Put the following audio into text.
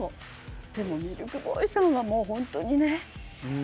でもミルクボーイさんは、本当にね。